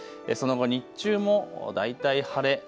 その後、日中も大体晴れ。